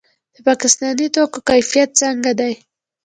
د پاکستاني توکو کیفیت څنګه دی؟